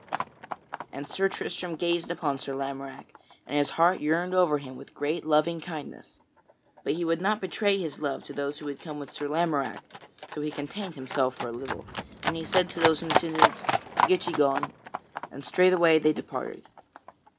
And Sir Tristram gazed upon Sir Lamorack and his heart yearned over him with great loving kindness. But he would not betray his love to those who had come with Sir Lamorack, so he contained himself for a little, and he said to those in attendance, "Get ye gone," and straightway they departed.